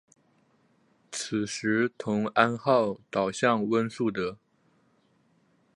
此时同安号倒向温树德。